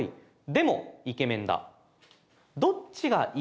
でも、イケメンだ。」